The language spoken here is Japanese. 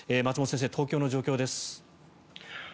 松本先生、東京の状況です。